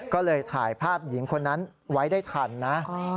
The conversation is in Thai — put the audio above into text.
ก็เลยถ่ายภาพหญิงคนนั้นไว้ได้ทันนะ